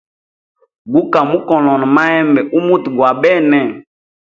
Guka mukonona mahembe u muti gwa bene.